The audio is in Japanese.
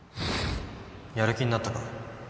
やる気になったか？